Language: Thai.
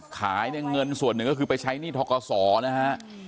ขายเนี่ยเงินส่วนหนึ่งก็คือไปใช้หนี้ทกศนะฮะ